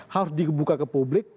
harus dibuka ke publik